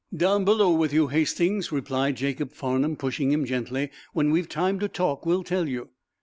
"Down below with you, Hastings," replied Jacob Farnum, pushing him gently. "When we've time to talk we'll tell you."